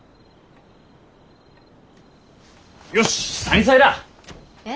よし！